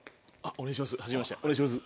お願いします。